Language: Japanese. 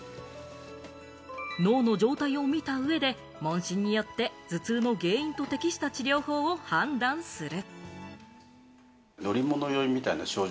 脳の状態を診た上で問診によって頭痛の原因と適した治療法を判断する。